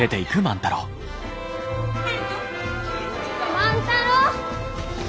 万太郎！